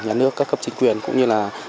nhà nước các cấp chính quyền cũng như là